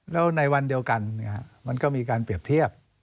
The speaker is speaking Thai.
แล้วในวันเดียวกันมันก็มีการเปรียบเทียบ